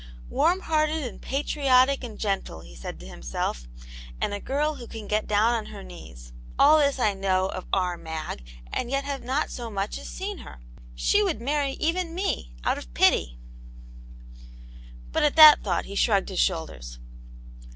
" Warm hearted, and patriotic and gentle !" he said to himself, " and a girl who can get down on her knees ; all this I know of ' our Mag,' and yet have not so much as Eeen her 1 She would marry evetv me, ow\. ^l ^v^V'^ 50 Aunt Janets Hero, But at that thought he shrugged his shoulders.